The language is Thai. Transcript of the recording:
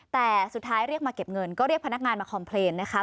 แต่สุดท้ายเรียกมาเก็บเงินก็เรียกพนักงานมาคอมเพลนนะคะ